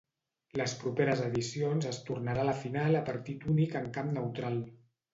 Les properes edicions es tornarà a la final a partit únic en camp neutral.